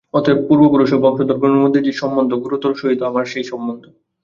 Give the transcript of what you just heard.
অতএব পূর্বপুরুষ ও বংশধরগণের মধ্যে যে সম্বন্ধ, গুরুর সহিত আমাদের সেই সম্বন্ধ।